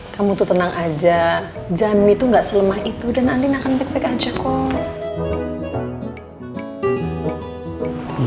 kamu tuh tenang aja jam itu enggak selama itu dan andi akan baik baik aja kok